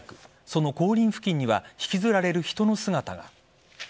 その後輪付近には引きずられる人の姿が。